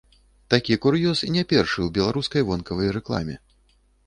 Такі кур'ёз не першы ў беларускай вонкавай рэкламе.